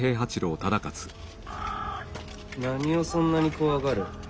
何をそんなに怖がる？